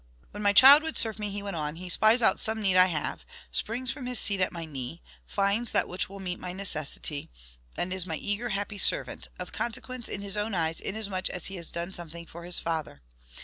"When my child would serve me," he went on, "he spies out some need I have, springs from his seat at my knee, finds that which will meet my necessity, and is my eager, happy servant, of consequence in his own eyes inasmuch as he has done something for his father.